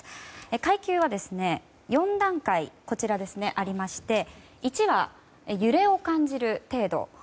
階級は４段階ありまして１は揺れを感じる程度。